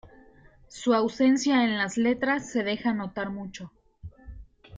Su ausencia en las letras se deja notar mucho.